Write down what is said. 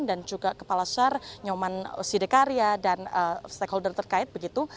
dan juga kepala sar nyoman sidekarya dan stakeholder terkait begitu